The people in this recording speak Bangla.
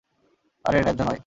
আরে, ন্যায্য নয়!